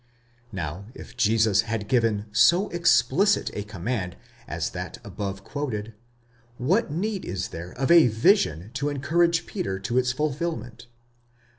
Now if Jesus had given so explicit a command as that above quoted, what need was there of a vision to encourage Peter to its fulfilment